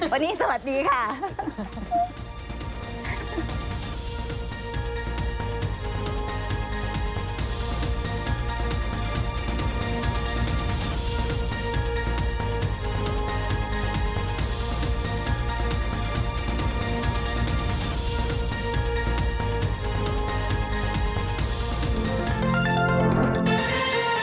วันนี้สวัสดีค่ะ